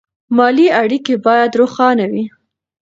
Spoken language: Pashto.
مالي اړیکې باید روښانه وي.